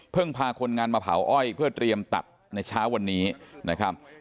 พาคนงานมาเผาอ้อยเพื่อเตรียมตัดในเช้าวันนี้นะครับ